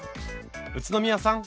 宇都宮さん。